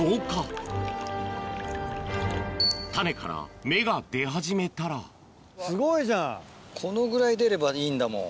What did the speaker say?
種から芽が出始めたらすごいじゃんこのぐらい出ればいいんだもん。